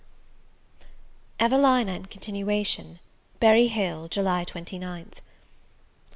EVELINA IN CONTINUATION. Berry Hill, July 29th.